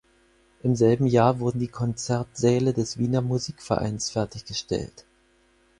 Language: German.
Im selben Jahr wurden die Konzertsäle des Wiener Musikvereins fertiggestellt.